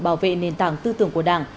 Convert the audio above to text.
bảo vệ nền tảng tư tưởng của đảng